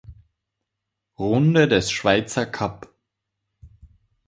Runde des Schweizer Cup.